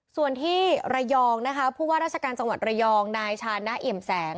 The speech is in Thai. ส่วนที่ไรยองพูดว่าราชการจังหวัดในชานเอ๋มแสง